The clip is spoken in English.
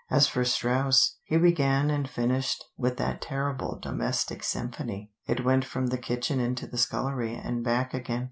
As for Strauss, he began and finished with that terrible 'domestic symphony.' It went from the kitchen into the scullery, and back again.